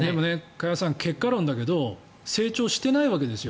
加谷さん、結果論だけど成長してないわけですよ。